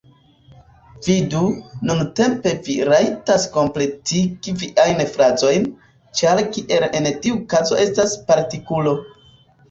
Vidu, nuntempe vi rajtas kompletigi viajn frazojn, ĉar kiel en tiu kazo estas partikulo.